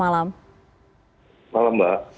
selamat malam mbak